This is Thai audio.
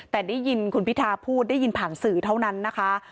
แต่ได้ยินคุณพิทาพูดได้ยินผ่านสื่อเท่านั้นนะคะ